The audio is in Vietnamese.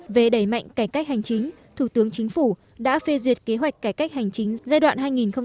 về đẩy mạnh cải cách hành chính thủ tướng chính phủ đã phê duyệt kế hoạch cải cách hành chính giai đoạn hai nghìn một mươi chín hai nghìn hai mươi